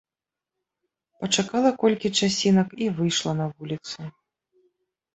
Пачакала колькі часінак і выйшла на вуліцу.